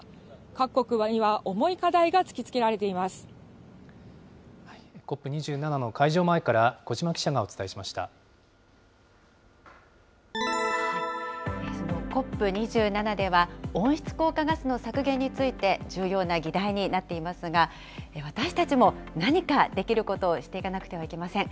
各国は今、重い課題が突きつけらＣＯＰ２７の会場前から小島そのＣＯＰ２７では、温室効果ガスの削減について重要な議題になっていますが、私たちも何かできることをしていかなくてはいけません。